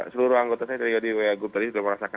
seluruh anggota saya dari wdw agung tadi sudah merasakan